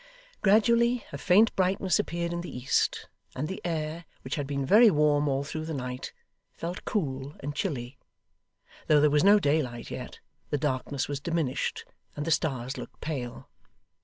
Gradually, a faint brightness appeared in the east, and the air, which had been very warm all through the night, felt cool and chilly. Though there was no daylight yet, the darkness was diminished, and the stars looked pale.